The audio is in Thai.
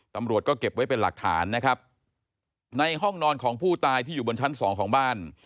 ตำรวจก็เก็บไว้เป็นหลักฐานนะครับในห้องนอนของผู้ตายที่อยู่บนชั้นสองของบ้าน